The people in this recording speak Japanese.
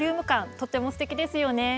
とてもすてきですよね。